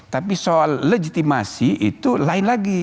tapi soal legitimasi itu lain lagi